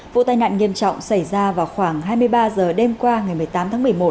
vụ tai nạn nghiêm trọng xảy ra vào khoảng hai mươi ba h đêm qua ngày một mươi tám tháng một mươi một